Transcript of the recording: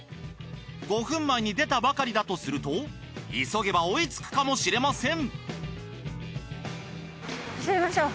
５分前に出たばかりだとすると急げば追いつくかもしれません。